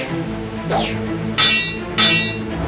ini mah aneh